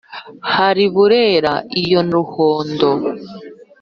hari burera iyo na ruhondo